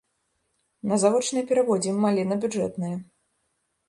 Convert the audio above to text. На завочнае пераводзім, але на бюджэтнае.